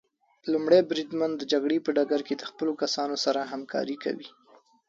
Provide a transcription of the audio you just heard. لومړی بریدمن د جګړې په ډګر کې د خپلو کسانو سره همکاري کوي.